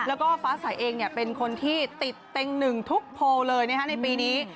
แล้วก็ฟ้าสายเองเป็นคนที่ติดเต็งหนึ่งทุกโพลเลยในปีนี้